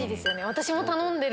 私も頼んでる。